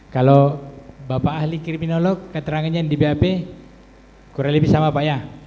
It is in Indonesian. kalau bapak ahli kriminolog keterangannya di bap kurang lebih sama pak ya